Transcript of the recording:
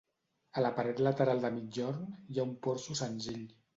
A la paret lateral de migjorn hi ha un porxo senzill.